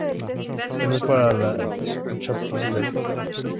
No es para la escucha pasiva.